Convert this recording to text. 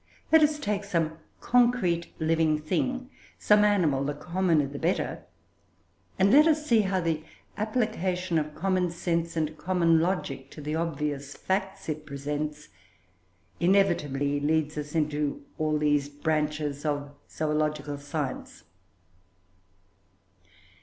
Let us take some concrete living thing, some animal, the commoner the better, and let us see how the application of common sense and common logic to the obvious facts it presents, inevitably leads us into all these branches of zoological science.